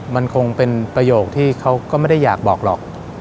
มันคงเป็นประโยคที่เขาก็ไม่ได้อยากบอกหรอก